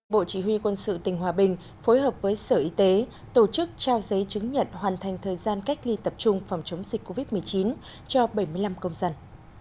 bộ chỉ huy quân sự tỉnh hòa bình phối hợp với sở y tế tổ chức trao giấy chứng nhận hoàn thành thời gian cách ly tập trung phòng chống dịch covid một mươi chín cho bảy mươi năm công dân